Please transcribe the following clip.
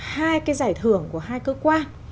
hai cái giải thưởng của hai cơ quan